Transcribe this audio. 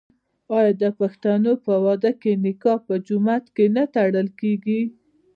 آیا د پښتنو په واده کې نکاح په جومات کې نه تړل کیږي؟